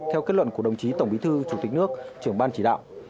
theo kết luận của đồng chí tổng bí thư chủ tịch nước trưởng ban chỉ đạo